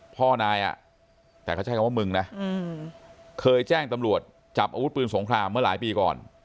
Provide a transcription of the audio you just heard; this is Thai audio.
พ่อนายอ่ะแต่เขาใช้คำว่ามึงนะเคยแจ้งตำรวจจับอาวุธปืนสงครามเมื่อหลายปีก่อน